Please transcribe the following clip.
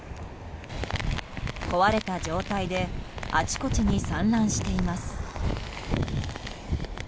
壊れた状態であちこちに散乱しています。